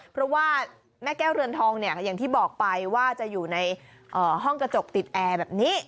เพราะว่าแม่แก้วเรือนทองเนี่ยอย่างที่บอกไปว่าจะอยู่ในห้องกระจกติดแอร์แบบนี้